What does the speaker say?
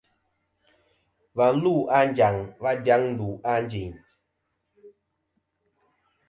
Và lu a Anjaŋ va dyaŋ ndu a Ànjin.